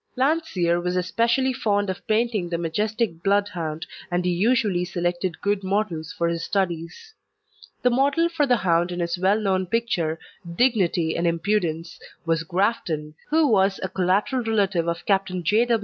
Landseer was especially fond of painting the majestic Bloodhound, and he usually selected good models for his studies. The model for the hound in his well known picture, "Dignity and Impudence," was Grafton, who was a collateral relative of Captain J.